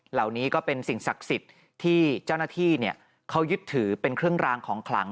เหล่านี้ก็เป็นสิ่งศักดิ์สิทธิ์ที่เจ้าหน้าที่เขายึดถือเป็นเครื่องรางของขลัง